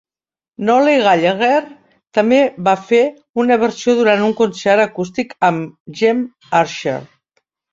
Nole Gallagher també va fer una versió durant un concert acústic amb Gem Archer.